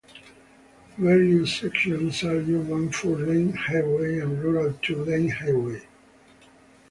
Various sections are urban four-lane highway and rural two-lane highway.